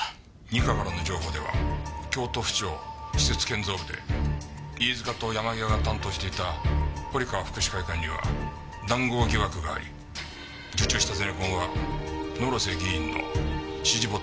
二課からの情報では京都府庁施設建造部で飯塚と山際が担当していた堀川福祉会館には談合疑惑があり受注したゼネコンは野呂瀬議員の支持母体です。